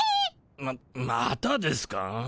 ままたですか。